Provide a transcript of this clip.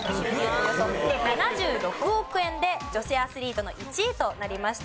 およそ７６億円で女性アスリートの１位となりました。